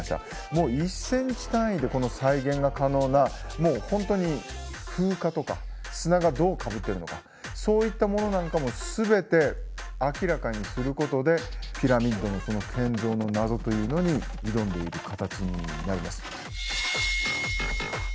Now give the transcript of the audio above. もう１センチ単位でこの再現が可能なもう本当に風化とか砂がどうかぶってるのかそういったものなんかも全て明らかにすることでピラミッドのこの建造の謎というのに挑んでいる形になります。